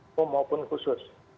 umum maupun khusus